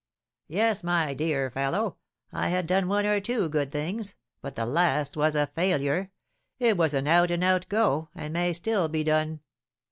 "Yes, my dear fellow, I had done one or two good things, but the last was a failure; it was an out and out go, and may still be done.